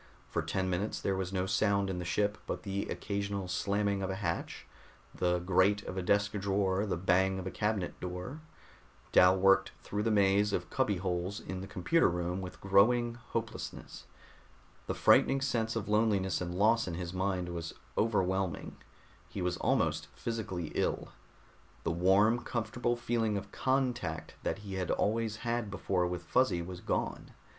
For ten minutes there was no sound in the ship but the occasional slamming of a hatch, the grate of a desk drawer, the bang of a cabinet door. Dal worked through the maze of cubby holes in the computer room with growing hopelessness. The frightening sense of loneliness and loss in his mind was overwhelming; he was almost physically ill. The warm, comfortable feeling of contact that he had always had before with Fuzzy was gone.